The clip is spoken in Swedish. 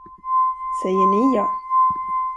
Säger ni, ja.